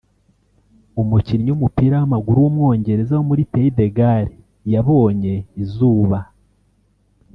umukinnyi w’umupira w’amaguru w’umwongereza wo muri Pays des Gales yabonye izuba